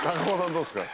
どうですか？